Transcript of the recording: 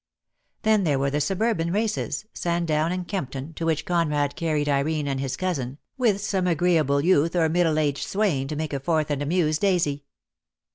Then there were the suburban races, Sandown and Kempton, to which Conrad carried Irene and his cousin, with some agreeable youth or middle aged swain to make a fourth and amuse Daisy.